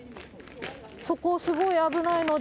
そこ、すごい危ないので。